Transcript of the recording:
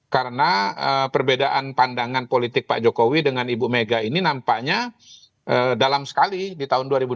karena perbedaan pandangan politik pak jokowi dengan ibu mega ini nampaknya dalam sekali di tahun dua ribu dua puluh empat ini